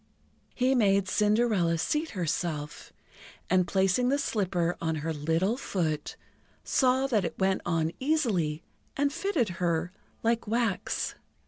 He made Cinderella seat herself, and, placing the slipper on her little foot, saw that it went on easily and fitted her like wax.